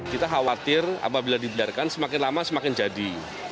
kita khawatir apabila dibiarkan semakin lama semakin jadi